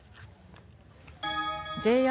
ＪＲ